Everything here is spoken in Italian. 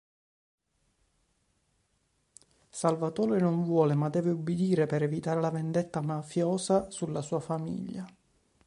Salvatore non vuole ma deve ubbidire per evitare la vendetta mafiosa sulla sua famiglia.